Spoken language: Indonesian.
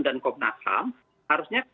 dan komnas ham harusnya